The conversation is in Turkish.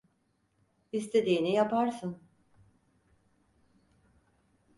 İstediğini yaparsın.